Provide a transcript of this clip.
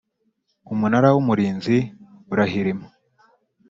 Umunara w Umurinzi urahirima